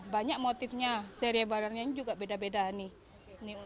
banyak motifnya seri barangnya juga beda beda nih